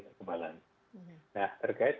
kekebalan nah terkait